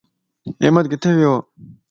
احمد ڪٿي ويو.